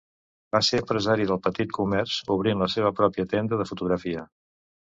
Va ser empresari del petit comerç, obrint la seva pròpia tenda de fotografia.